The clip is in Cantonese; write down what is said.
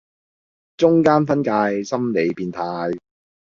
中間分界心理變態